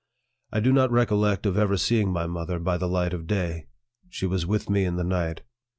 I do not recollect of ever seeing my mother by the light of day. She was with me in the night.